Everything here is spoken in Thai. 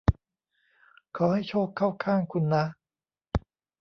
ขอให้โชคเข้าข้างคุณนะ